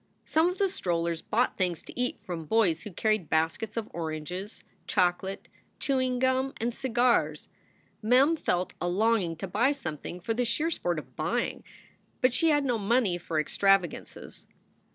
Some of the strollers bought things to eat from boys who carried baskets of oranges, chocolate, chewing gum, and cigars. Mem felt a longing to buy something for the sheer sport of buying. But she had no money for extravagances.